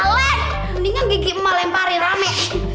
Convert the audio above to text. mendingan gigi emak lemparin rame